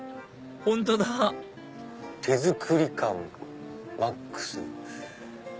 本当だ手作り感マックス。